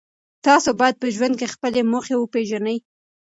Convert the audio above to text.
تاسو باید په ژوند کې خپلې موخې وپېژنئ.